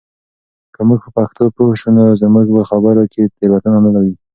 که موږ په پښتو پوه سو نو زموږ په خبرو کې تېروتنه نه وي.